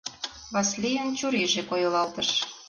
Васлийын чурийже койылалтыш.